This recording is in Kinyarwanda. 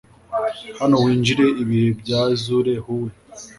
Hano winjire ibihe bya azure hue